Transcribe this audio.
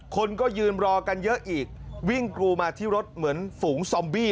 คนก็ยืนรอกันเยอะอีกวิ่งกรูมาที่รถเหมือนฝูงซอมบี้